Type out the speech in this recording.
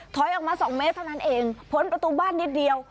ถอยออกมา๒เมตรเท่านั้นเองผลประตูบ้านนิดเดียว